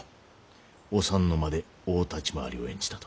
お三の間で大立ち回りを演じたと。